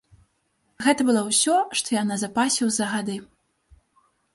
Гэта было ўсё, што я назапасіў за гады.